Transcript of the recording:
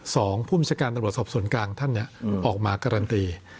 สองผู้บัญชาการตำรวจสอบส่วนกลางท่านเนี่ยออกมาการันตี